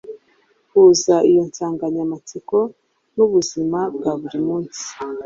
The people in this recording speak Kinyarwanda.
Huza iyo nsanganyamatsiko n’ubuzima bwa buri munsi.